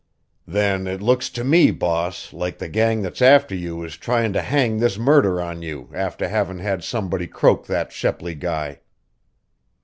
"Then it looks to me, boss, like the gang that's after you is tryin' to hang this murder on you after havin' had somebody croak that Shepley guy."